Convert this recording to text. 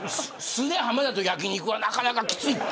素で浜田と焼き肉はなかなかきつい。